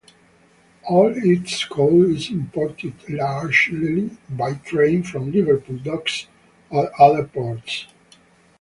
All its coal is imported, largely by train from Liverpool docks or other ports.